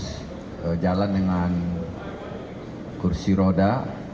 terus jalan dengan kursi roda